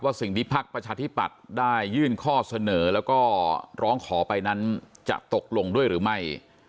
สิ่งที่พักประชาธิปัตย์ได้ยื่นข้อเสนอแล้วก็ร้องขอไปนั้นจะตกลงด้วยหรือไม่